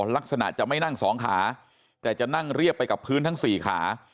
ลักษณะจะไม่นั่งสองขาแต่จะนั่งเรียบไปกับพื้นทั้งสี่ขา